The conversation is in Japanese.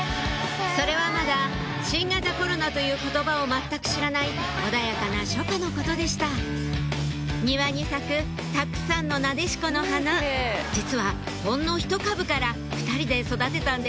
それはまだ「新型コロナ」という言葉を全く知らない穏やかな初夏のことでした庭に咲くたくさんのなでしこの花実はほんのひと株から２人で育てたんです